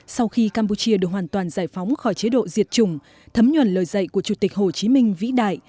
sau khi campuchia được hoàn toàn giải phóng khỏi chế độ diệt chủng thấm nhuần lời dạy của chủ tịch hồ chí minh vĩ đại